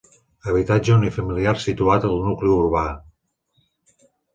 Habitatge unifamiliar situat al nucli urbà.